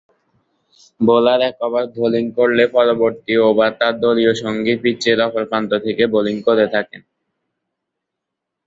Bowler এক over bowling করলে পরবর্তী ওভার তার দলীয় সঙ্গী পিচের অপর প্রান্ত থেকে বোলিং করে থাকেন।